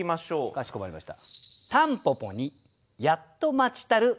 かしこまりました。